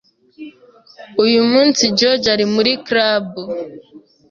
Uyu munsi, George ari muri club.